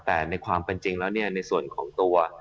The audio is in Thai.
แต่ในความเป็นจริงแล้วในส่วนของตัว